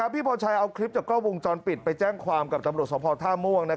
พี่พรชัยเอาคลิปจากกล้องวงจรปิดไปแจ้งความกับตำรวจสภท่าม่วง